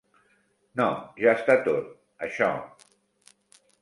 No, ja està tot, això.